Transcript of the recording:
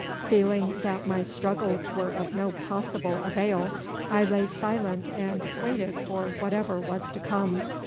Feeling that my struggles were of no possible avail, I lay silent and waited for whatever was to come.